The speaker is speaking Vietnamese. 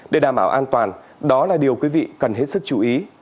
để đảm bảo an toàn đó là điều quý vị cần hết sức chú ý